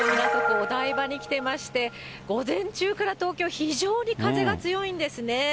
お台場に来ておりまして、午前中から東京、非常に風が強いんですね。